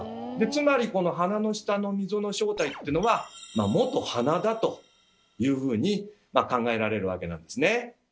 つまり鼻の下の溝の正体っていうのはもと鼻だというふうに考えられるわけなんですね。